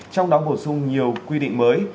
trong đó bổ sung nhiều quy định mới